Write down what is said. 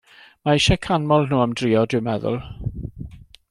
Mae eisiau canmol nhw am drio, dwi'n meddwl.